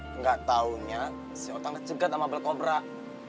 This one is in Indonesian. enggak tahunya si otang dicegat sama belakobrak